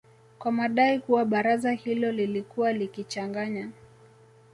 kwa madai kuwa baraza hilo lilikuwa likichanganya